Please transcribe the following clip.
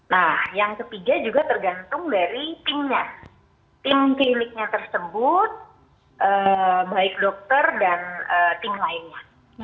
nah yang ketiga juga tergantung dari team nya team kliniknya tersebut baik dokter dan team lainnya